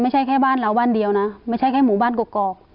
ไม่ใช่แค่บ้านเราบ้านเดียวนะไม่ใช่แค่หมู่บ้านกรอก